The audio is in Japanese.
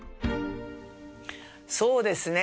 そうですね